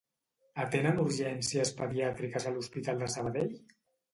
Atenen urgències pediàtriques a l'hospital de Sabadell?